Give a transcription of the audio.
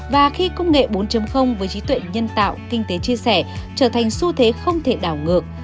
và khi công nghệ bốn với trí tuệ nhân tạo kinh tế chia sẻ trở thành xu thế không thể đảo ngược